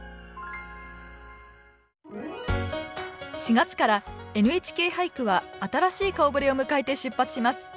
４月から「ＮＨＫ俳句」は新しい顔ぶれを迎えて出発します。